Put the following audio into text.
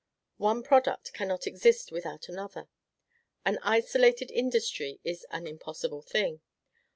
One product cannot exist without another; an isolated industry is an impossible thing.